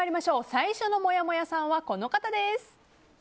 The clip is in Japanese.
最初のもやもやさんはこの方です。